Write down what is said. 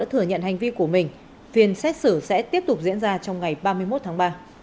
thừa nhận hành vi của mình phiên xét xử sẽ tiếp tục diễn ra trong ngày ba mươi một tháng ba